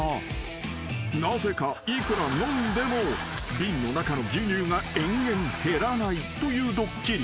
［なぜかいくら飲んでも瓶の中の牛乳が延々減らないというドッキリ］